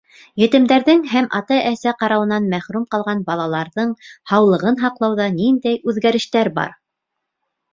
Етемдәрҙең һәм ата-әсә ҡарауынан мәхрүм ҡалған балаларҙың һаулығын һаҡлауҙа ниндәй үҙгәрештәр бар?